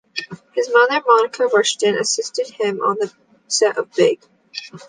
His mother, Monica Rushton, assisted him on the set of "Big".